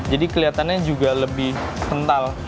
jadi keliatannya juga lebih kental